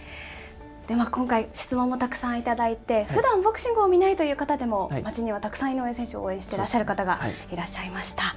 では今回、質問もたくさん頂いて、ふだん、ボクシングを見ないという方でも、街にはたくさん、井上選手を応援してらっしゃる方がいらっしゃいました。